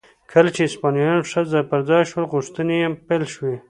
کله چې هسپانویان ښه ځای پر ځای شول غوښتنې یې پیل شوې.